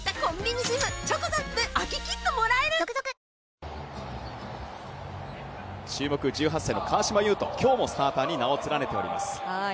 ペイトク注目１８歳の川島悠翔、今日もスターターに名を連ねております。